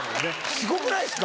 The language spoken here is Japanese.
すごくないですか。